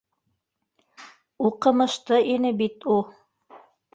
Уҡымышты ине бит у...